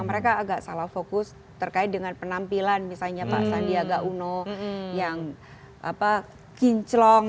mereka agak salah fokus terkait dengan penampilan misalnya pak sandiaga uno yang kinclong